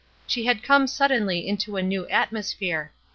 She had come suddenly into a new atmosphere.